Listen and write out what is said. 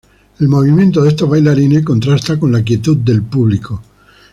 El movimiento de estos bailarines contrasta con la quietud del público.